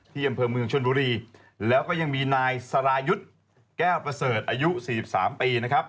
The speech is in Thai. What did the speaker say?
ที่อำเภอเมืองชนบุรีแล้วก็ยังมีนายสรายุทธ์แก้วประเสริฐอายุ๔๓ปีนะครับ